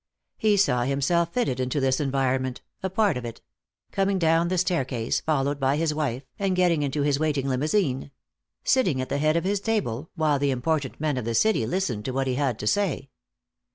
He saw himself fitted into this environment, a part of it; coming down the staircase, followed by his wife, and getting into his waiting limousine; sitting at the head of his table, while the important men of the city listened to what he had to say.